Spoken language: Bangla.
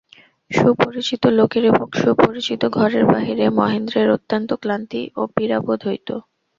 সুপরিচিত লোকের এবং সুপরিচিত ঘরের বাহিরে মহেন্দ্রের অত্যন্ত ক্লান্তি ও পীড়া বোধ হইত।